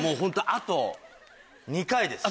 あと２回。